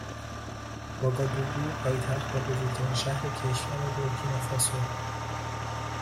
واگادوگو پایتخت و بزرگترین شهر کشور بورکینافاسو